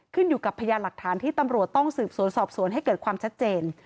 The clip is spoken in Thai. ขึ้นอยู่กับพยาห์หลักฐานที่ตำรวจต้องสืบสอบให้เกิดความชัดเจน